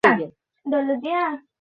কিন্তু মহাকাব্য তো বটে।